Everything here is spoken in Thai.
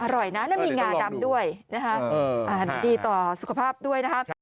อร่อยนะมีงานดำด้วยนะครับอาหารดีต่อสุขภาพด้วยนะครับ